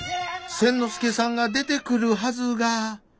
千之助さんが出てくるはずが。